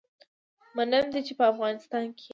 منم دی چې په افغانستان کي يي